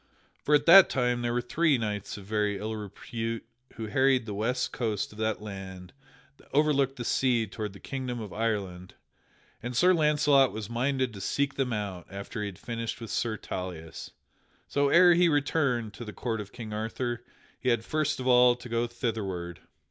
For at that time there were three knights of very ill repute who harried the west coast of that land that overlooked the sea toward the Kingdom of Ireland, and Sir Launcelot was minded to seek them out after he had finished with Sir Tauleas. So ere he returned to the court of King Arthur he had first of all to go thitherward.